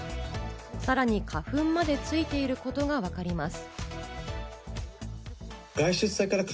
さらに花粉までついていることがわかります。